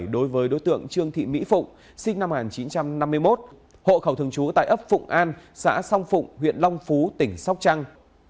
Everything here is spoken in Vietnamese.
đối với đối tượng trương thị mỹ phụng sinh năm một nghìn chín trăm năm mươi một hộ khẩu thường trú tại ấp phụng an xã song phụng huyện long phú tỉnh sóc trăng